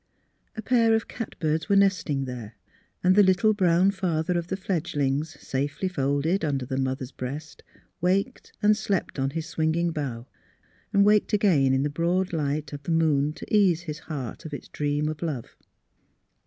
A pair of cat birds were nesting there, and the little bro^\Ti father of the fledglings safely folded under the mother's breast waked and slept on his s\\dnging bough, and waked again in the broad light of the moon to ease his heart of its dream of love.